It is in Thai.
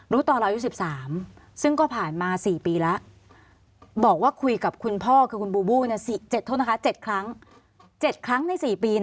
รู้ตัวเรายุ๑๓ซึ่งก็ผ่านมา๔ปีแล้วบอกว่าคุยกับคุณพ่อคือคุณบูบู๗ครั้งใน๔ปีเนี่ยนะ